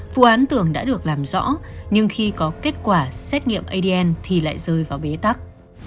vụ án tưởng đã được làm rõ nhưng khi có kết quả xét nghiệm adn thì lại rơi vào bế tắc